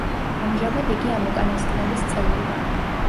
ამჟამად იგი ამ უკანასკნელის წევრია.